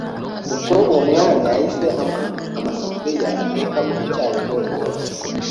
Ubwo uwo mwanya yahise ampa amasafuriya atekamo icyayi ngo nyoze,